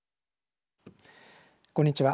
こんにちは。